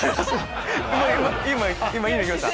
今いいの来ました。